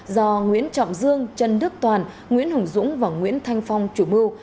do nguyễn trọng dương trần đức toàn nguyễn hùng dũng và nguyễn thanh phong chủ mưu